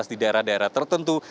di daerah daerah tertentu